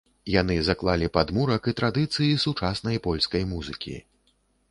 Яны заклалі падмурак і традыцыі сучаснай польскай музыкі.